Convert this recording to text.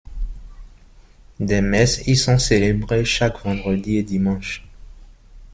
Des messes y sont célébrées chaque vendredi et dimanche.